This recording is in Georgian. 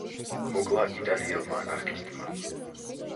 მოკლა იტალიელმა ანარქისტმა.